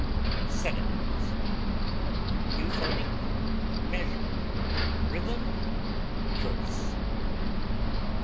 Synonyms: euphony, measure, rhythm, verse.